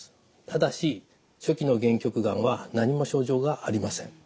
ただし初期の限局がんは何も症状がありません。